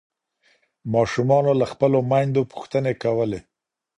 ماشومانو له خپلو میندو پوښتني کولي.